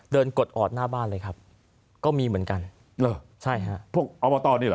เดินตอดหน้าบ้านเลยครับก็มีเหมือนกันใช่พวกอบตร